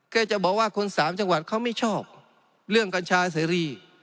จะบอกว่าคนสามจังหวัดเขาไม่ชอบเรื่องกัญชาเสรี